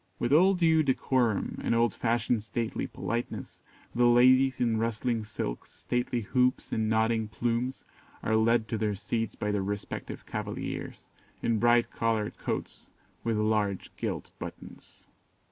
With all due decorum and old fashioned stately politeness, the ladies in rustling silks, stately hoops, and nodding plumes, are led to their seats by their respective cavaliers, in bright coloured coats with large gilt buttons.